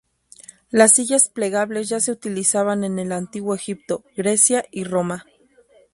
Las sillas plegables ya se utilizaban en el Antiguo Egipto, Grecia y Roma.